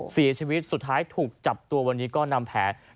เสียชีวิตสุดท้ายถูกจับตัววันนี้ก็นำแผน